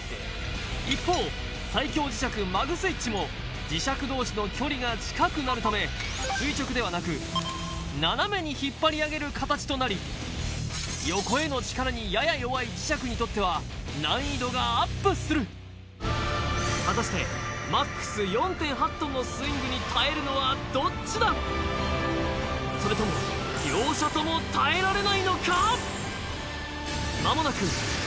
一方最強磁石マグスイッチも磁石同士の距離が近くなるため垂直ではなく斜めに引っ張り上げる形となり横への力にやや弱い磁石にとっては難易度がアップする果たしてＭＡＸ４．８ｔのスイングにそれとも両者とも耐えられないのか？